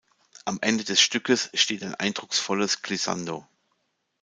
Am Ende des Stückes steht ein eindrucksvolles Glissando.